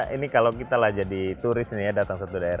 ini kalau kita lah jadi turis nih ya